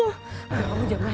udah paham jam lah